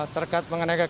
terkat mengenai kegiatan